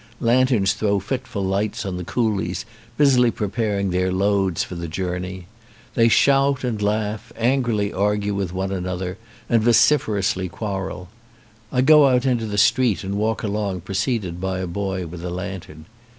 Lanterns throw fitful lights on the coolies busily preparing their loads for the journey. They shout and laugh, angrily argue with one another, and vociferously quarrel. I go out into the street and walk along preceded by a boy with a lantern.